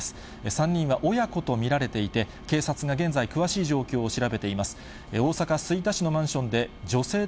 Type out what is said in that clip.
３人は親子と見られていて、警察が現在、詳しい状況を調べてが見つかりました。